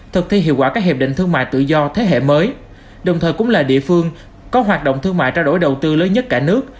thực thi hiệu quả các hiệp định thương mại tự do thế hệ mới đồng thời cũng là địa phương có hoạt động thương mại trao đổi đầu tư lớn nhất cả nước